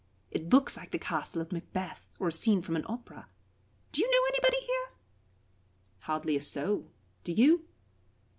It looks like the castle of Macbeth, or a scene from the opera. Do you know anybody here?" "Hardly a soul. Do you?"